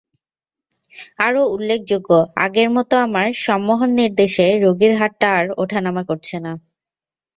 আরো উল্লেখযোগ্য, আগের মতো আমার সম্মোহন-নির্দেশে রোগীর হাতটা আর ওঠানামা করছে না।